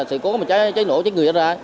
thì chúng ta quyết liệt tình liên giấy